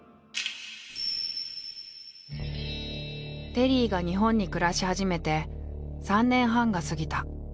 テリーが日本に暮らし始めて３年半が過ぎた。